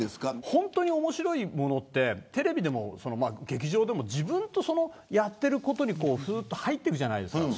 本当に面白いものってテレビでも劇場でも自分のやっていることに入っていくじゃないですか。